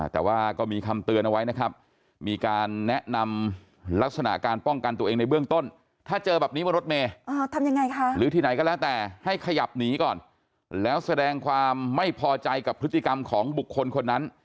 แต่ว่าก็มีคำเตือนเอาไว้นะครับมีการแนะนำลักษณะการป้องกันตัวเองในเบื้องต้น